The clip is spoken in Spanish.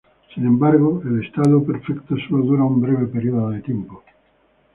Sin embargo, El estado perfecto solo dura un breve período de tiempo.